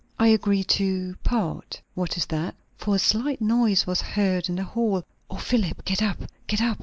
"I agree to part. What is that?" for a slight noise was heard in the hall. "O Philip, get up! get up!